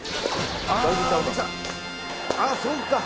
あっそっか。